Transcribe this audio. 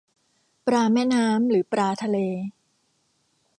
ปลาแม่น้ำหรือปลาทะเล